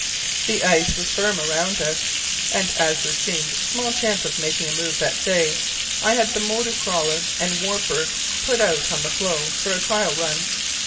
The ice was firm around us, and as there seemed small chance of making a move that day, I had the motor crawler and warper put out on the floe for a trial run.